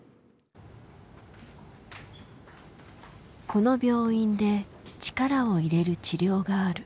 この病院で力を入れる治療がある。